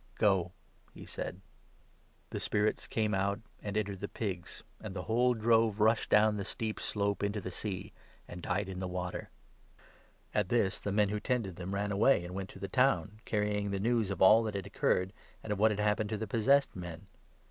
" Go," he said. 32 The spirits came out, and entered the pigs ; and the whole drove rushed down the steep slope into the Sea, and died in the water. At this the men who tended them ran 33 away and went to the town, carrying the news of all that had occurred, and of what had happened to the possessed men.